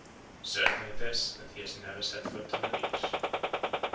Certain it is that he has never set foot on the beach.